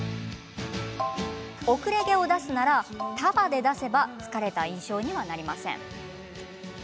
後れ毛を出すなら、束で出せば疲れた印象にはなりません。